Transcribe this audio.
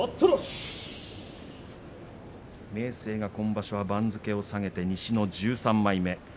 明生が今場所は番付を下げて西の１３枚目。